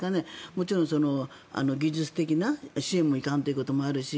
もちろん技術的な支援もいかないということもあるし